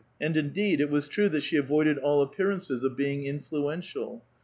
And, indeed, it was 'fcrue that she avoided all appearances of being influential.